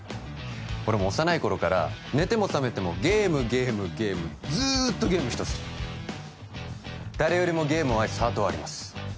俺も幼い頃から寝ても覚めてもゲームゲームゲームずっとゲーム一筋誰よりもゲームを愛すハートはあります